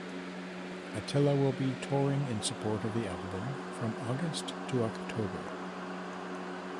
Attila will be touring in support of the album from August to October.